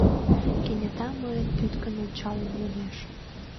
Кенета мыйым тӱткын ончалын йодеш: